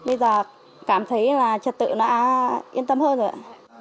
bây giờ cảm thấy là trật tự nó yên tâm hơn rồi ạ